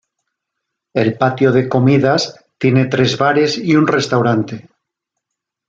El patio de comidas, tiene tres bares y un restaurante.